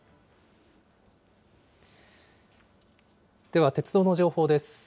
では、鉄道の情報です。